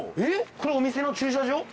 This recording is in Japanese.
これお店の駐車場？